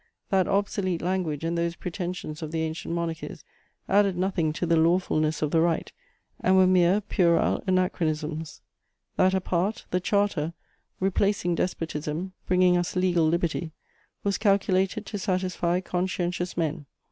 That obsolete language and those pretensions of the ancient monarchies added nothing to the lawfulness of the right and were mere puerile anachronisms. That apart, the Charter, replacing despotism, bringing us legal liberty, was calculated to satisfy conscientious men.